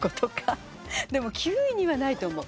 でも９位にはないと思う。